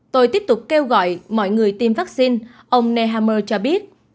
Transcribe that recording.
tôi tiếp tục kêu gọi mọi người tiêm vaccine ông nehammer cho biết